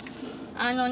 あのね。